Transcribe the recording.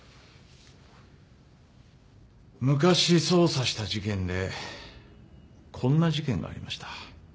昔捜査した事件でこんな事件がありました。